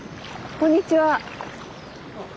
こんにちは。